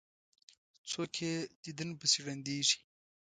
څوک یې دیدن پسې ړندیږي.